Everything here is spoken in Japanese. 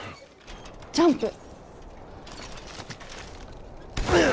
ジャンプ。